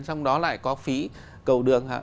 xong đó lại có phí cầu đường